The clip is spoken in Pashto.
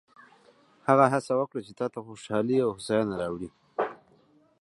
هغه هڅه وکړه چې تا ته خوشحالي او هوساینه راوړي.